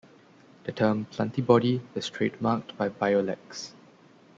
The term "plantibody" is trademarked by Biolex.